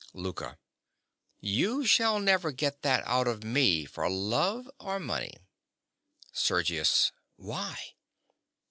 LOUKA. You shall never get that out of me, for love or money. SERGIUS. Why?